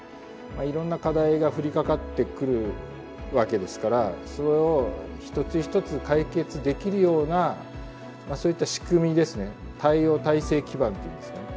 いろんな課題が降りかかってくるわけですからそれを一つ一つ解決できるようなそういった仕組みですね対応体制基盤と言うんですね